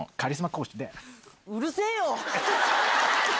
うるせぇよ！